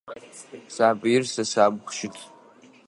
Сабыир сэ сабгъу щыт.